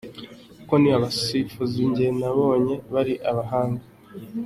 Kuko ni abasifuzi njye nabonye bari abahanga”.